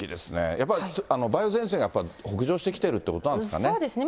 やっぱり梅雨前線がやっぱり北上してきているということなんですそうですね。